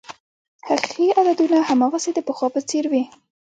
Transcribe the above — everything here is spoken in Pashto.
حقیقي عددونه هماغسې د پخوا په څېر وې.